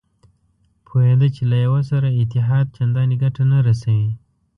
پوهېده چې له یوه سره اتحاد چندانې ګټه نه رسوي.